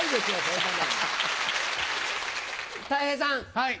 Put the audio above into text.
はい。